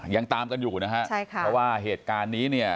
ยังตามกันอยู่นะฮะใช่ค่ะเพราะว่าเหตุการณ์นี้เนี่ย